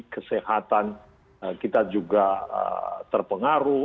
kesehatan kita juga terpengaruh